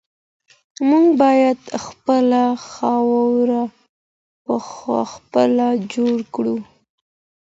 موږ باید خپله خاوره پخپله جوړه کړو.